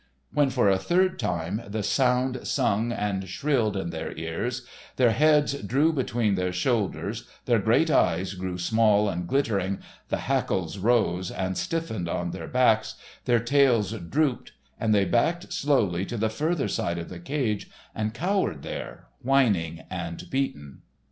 When for a third time the sound sung and shrilled in their ears, their heads drew between their shoulders, their great eyes grew small and glittering, the hackles rose, and stiffened on their backs, their tails drooped, and they backed slowly to the further side of the cage and cowered there, whining and beaten.